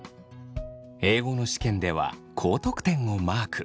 英語の試験では高得点をマーク。